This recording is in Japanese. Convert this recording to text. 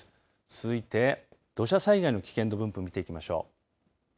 続いて、土砂災害の危険度分布見ていきましょう。